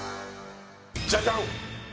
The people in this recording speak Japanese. ジャジャン！